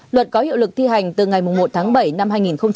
luật có hiệu lực thi hành từ ngày một tháng bảy năm hai nghìn hai mươi